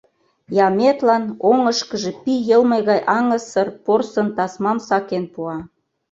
Яметлан оҥышкыжо пий йылме гай аҥысыр порсын тасмам сакен пуа.